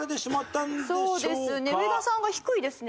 そうですね。